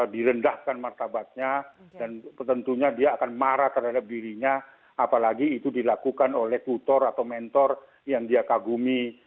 direndahkan martabatnya dan tentunya dia akan marah terhadap dirinya apalagi itu dilakukan oleh kutor atau mentor yang dia kagumi